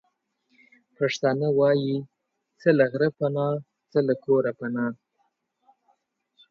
پښتانه وايې:څه له غره پنا، څه له کوره پنا.